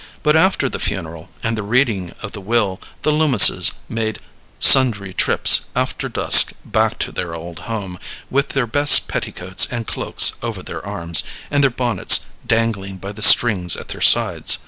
But after the funeral and the reading of the will the Loomises made sundry trips after dusk back to their old home, with their best petticoats and cloaks over their arms, and their bonnets dangling by their strings at their sides.